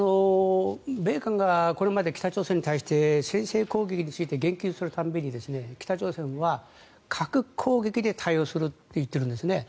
米韓がこれまで北朝鮮に対して先制攻撃について言及する度に北朝鮮は核攻撃で対応すると言っているんですね。